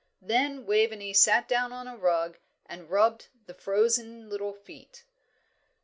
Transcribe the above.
Then Waveney sat down on the rug and rubbed the frozen little feet.